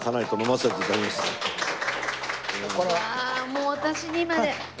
もう私にまで。